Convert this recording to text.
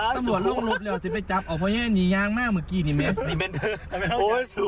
ตำรวจลงรถแล้วสิไปจับเพราะเยี่ยมหนียางมากเมื่อกี้เนี่ยเมฆ